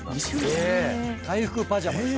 回復パジャマでしょ？